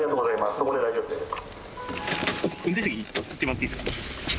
そこで大丈夫です。